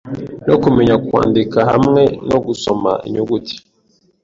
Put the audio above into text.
no kumenya kwandika hamwe no gusoma inyuguti;